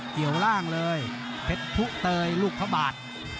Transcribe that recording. เกี่ยวร่างเลยเพชรผู้เตยลูกพระบาท